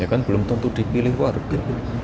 ya kan belum tentu dipilih warga